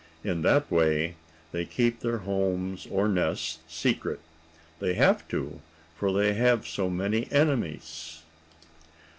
In that way they keep their homes, or nests, secret. They have to, for they have so many enemies.